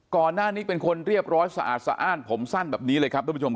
ก่อนหน้านี้เป็นคนเรียบร้อยสะอาดสะอ้านผมสั้นแบบนี้เลยครับทุกผู้ชมครับ